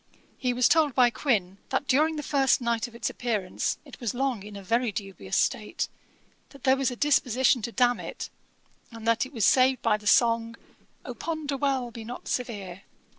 He was told by Quin, that during the first night of its appearance it was long in a very dubious state; that there was a disposition to damn it, and that it was saved by the song, 'Oh ponder well! be not severe!'